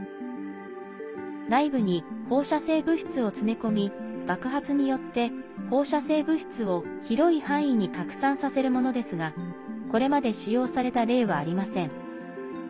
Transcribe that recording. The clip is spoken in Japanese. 内部に放射性物質を詰め込み爆発によって放射性物質を広い範囲に拡散させるものですがこれまで使用された例はありません。